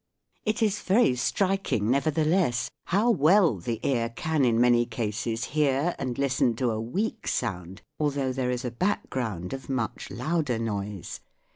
It is very striking nevertheless how well the ear can in many cases hear and listen to a weak sound although there is a " background " of much louder noise